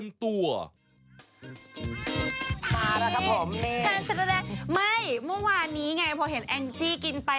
ไม่เมื่อวานนี้ไงพอเห็นแองจี้กินไป